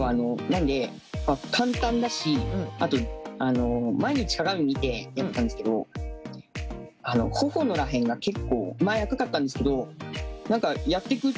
なんで簡単だしあと毎日鏡見てやってたんですけど頬のら辺が結構前赤かったんですけどあそう。